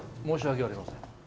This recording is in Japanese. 申し訳ありません。